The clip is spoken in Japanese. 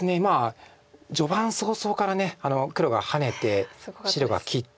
序盤早々から黒がハネて白が切って。